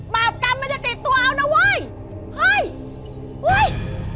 บาปกรรมมันจะติดตัวเอานะเว้ยเฮ้ยเฮ้ย